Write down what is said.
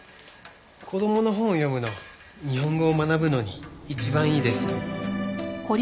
子どもの本を読むの日本語を学ぶのに一番いいです。